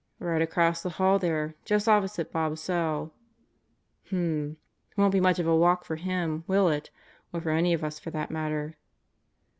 "Right across the hall there. Just opposite Bob's cell." "Hmmm. Won't be much of a walk for him, will it? or for any of us for that matter."